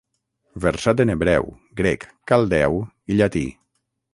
Versat en hebreu, grec, caldeu i llatí.